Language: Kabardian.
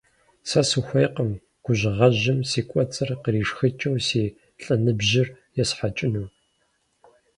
Сэ сыхуейкъым гужьгъэжьым си кӀуэцӀыр къришхыкӀыу си лӀыныбжьыр есхьэкӀыну.